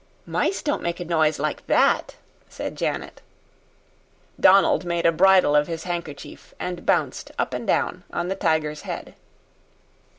"Mice don't make a noise like that," said Janet. Donald made a bridle of his handkerchief and bounced up and down on the tiger's head.